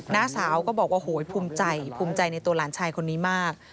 น้าสาวก็บอกว่าโอ้โหภูมิใจภูมิใจในตัวหลานชายคนนี้มาก